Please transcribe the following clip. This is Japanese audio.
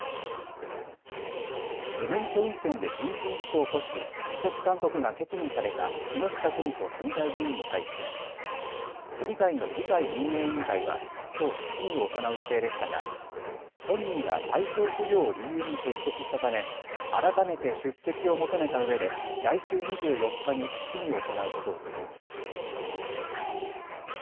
無免許運転で人身事故を起こし辞職勧告が決議された木下富美子都議会議員に対して都議会の議会運営委員会はきょう質疑を行う予定でしたが本人が体調不良を理由に欠席したため改めて出席を求めたうえで来週２４日に質疑を行うことを決めました。